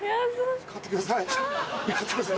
買ってください